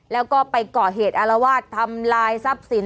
แล้วก็ไปก่อเหตุอารวาสทำลายทรัพย์สิน